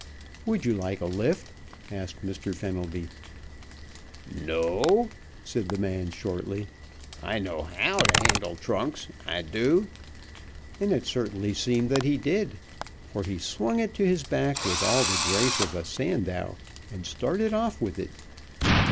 "Would you like a lift?" asked Mr. Fenelby. "No," said the man shortly. "I know how to handle trunks, I do," and it certainly seemed that he did, for he swung it to his back with all the grace of a Sandow, and started off with it.